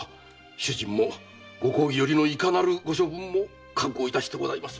主人もご公儀よりのいかなるご処分も覚悟いたしてございます。